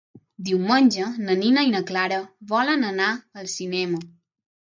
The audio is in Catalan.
Diumenge na Nina i na Clara volen anar al cinema.